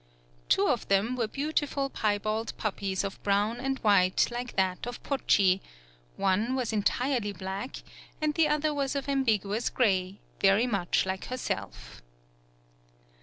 Two of them were beautiful piebald puppies of brown and white like that of Pochi, one was entirely black, and the other was of 130 A DOMESTIC ANIMAL ambiguous gray, very much like her self!